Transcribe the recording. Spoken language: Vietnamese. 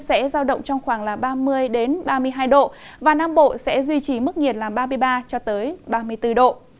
sẽ giao động trong khoảng ba mươi ba mươi hai độ và nam bộ sẽ duy trì mức nhiệt là ba mươi ba ba mươi bốn độ